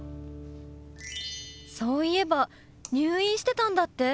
そういえば入院してたんだって？